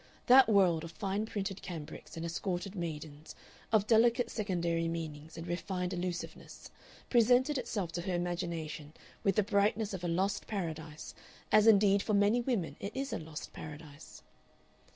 That world of fine printed cambrics and escorted maidens, of delicate secondary meanings and refined allusiveness, presented itself to her imagination with the brightness of a lost paradise, as indeed for many women it is a lost paradise.